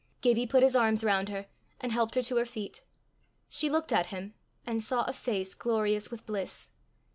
Gibbie put his arms round her, and helped her to her feet. She looked at him, and saw a face glorious with bliss.